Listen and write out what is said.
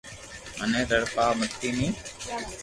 مني تڙپاو متي ني